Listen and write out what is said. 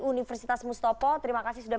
universitas mustafa terima kasih sudah